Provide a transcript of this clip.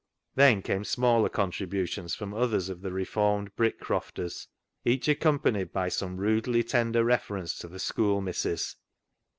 Then came smaller contributions from others of the reformed Brick crofters, each accompanied by some rudely tender reference to " th' schoo' missis."